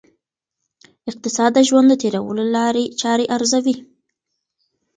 اقتصاد د ژوند د تېرولو لاري چاري ارزوي.